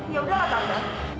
ya udahlah tante